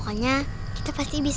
ralah ini berculit